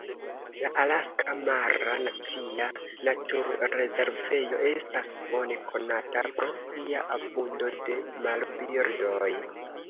La Alaska Mara Nacia Naturrezervejo estas bone konata pro sia abundo de marbirdoj.